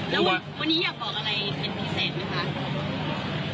แล้ววันนี้อยากบอกอะไรเป็นพิเศษไหมคะ